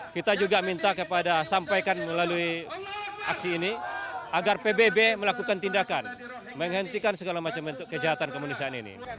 kita juga minta kepada sampaikan melalui aksi ini agar pbb melakukan tindakan menghentikan segala macam bentuk kejahatan kemanusiaan ini